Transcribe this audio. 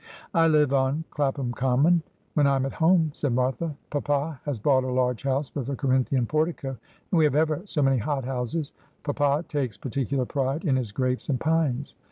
' I live on Clapham Common, when I am at home,' said Martha. 'Papa has bought a large house, with a Corinthian portico, and we have ever so many hot houses. Papa takes par ticular pride in his grapes and pines.